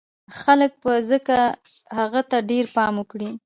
خلک به ځکه هغه ته ډېر پام وکړي